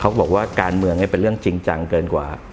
เขาบอกว่าการเมืองเป็นเรื่องจริงจังเกินกว่า